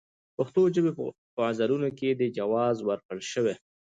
د پښتو ژبې په غزلونو کې دې ته جواز ورکړل شوی.